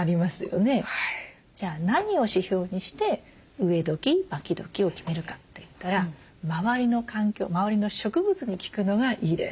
じゃあ何を指標にして植えどきまきどきを決めるかといったら周りの環境周りの植物に聞くのがいいです。